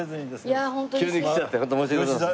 急に来ちゃって本当申し訳ございません。